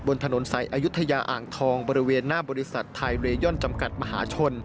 บนถนนสายอายุทยาอ่างทองบริเวณหน้าบริษัทไทยเรย่อนจำกัดมหาชน